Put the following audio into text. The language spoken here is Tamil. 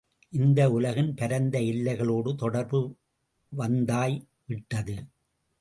இந்த உலகின் பரந்த எல்லைகளோடு தொடர்பு வந்தாய் விட்டது.